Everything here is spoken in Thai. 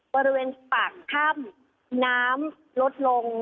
บริเวณปากถ้ำน้ำลดลง